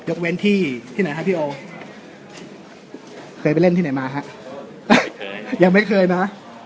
เว้นที่ที่ไหนฮะพี่โอเคยไปเล่นที่ไหนมาฮะเคยยังไม่เคยมา